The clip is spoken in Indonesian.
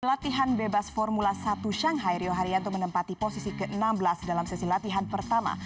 latihan bebas formula satu shanghai rio haryanto menempati posisi ke enam belas dalam sesi latihan pertama